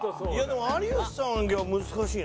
でも有吉さんが難しいな。